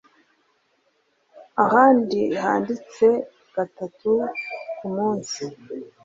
ahandi handitse gatatu ku munsi.